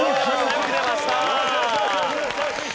よく出ました！